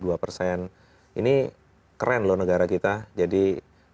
jadi pada saat ini kita bisa menjaga inflasi di negara negara kita